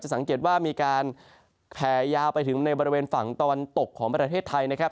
สังเกตว่ามีการแผ่ยาวไปถึงในบริเวณฝั่งตะวันตกของประเทศไทยนะครับ